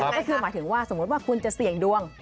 ก็คือหมายถึงว่าสมมุติว่าคุณจะเสี่ยงดวง